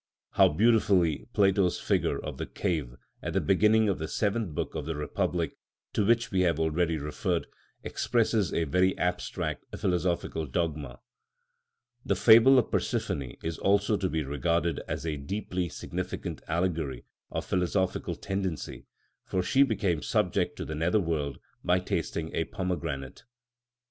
How beautifully Plato's figure of the Cave, at the beginning of the seventh book of the "Republic" to which we have already referred, expresses a very abstract philosophical dogma. The fable of Persephone is also to be regarded as a deeply significant allegory of philosophical tendency, for she became subject to the nether world by tasting a pomegranate.